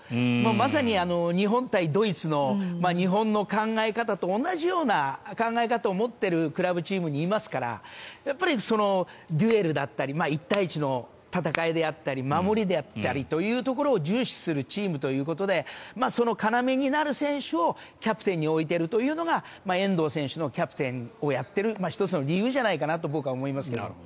まさに日本対ドイツの日本の考え方と同じような考え方を持っているクラブチームにいますからデュエルだったり１対１の戦いであったり守りであったりというところを重視するチームということでその要になる選手をキャプテンに置いているというのが遠藤選手がキャプテンをやっている１つの理由じゃないかなと僕は思いますけども。